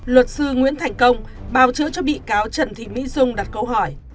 luật sư nguyễn thành công bào chữa cho bị cáo trần thị mỹ dung đặt câu hỏi